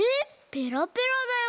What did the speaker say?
ペラペラだよ？